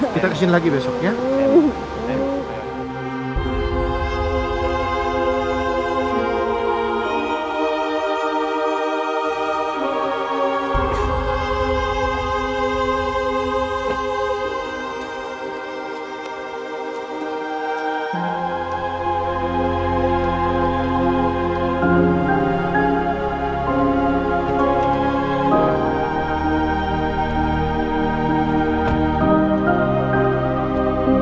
kita kesini lagi besok ya